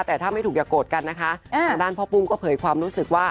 แต่ถ้าไม่ถูกอย่าโกรธกันนะคะทางด้านพ่อปุ้มก็เผยความรู้สึกว่า